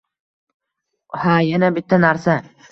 Ha, yana bitta narsa